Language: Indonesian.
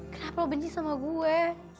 kenapa benci sama gue